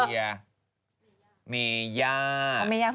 ปล่อยให้เบลล่าว่าง